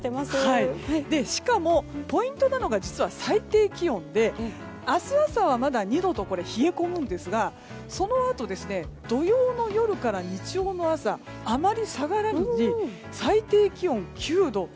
しかも、ポイントなのが実は最低気温で明日朝はまだ２度と冷え込むんですがそのあと土曜の夜から日曜の朝あまり下がらずに最低気温９度。